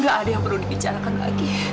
gak ada yang perlu dibicarakan lagi